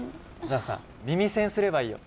じゃあさ耳栓すればいいよ